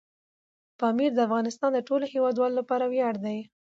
پامیر د افغانستان د ټولو هیوادوالو لپاره ویاړ دی.